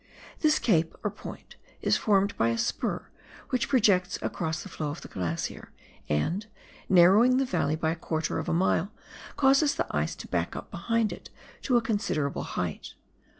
This cape, or point, is formed by a spur which projects across the flow of the glacier, and, narrowing the valley by a quarter of a mile, causes the ice to " back up " behind it to a considerable height.